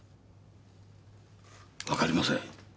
わかりません。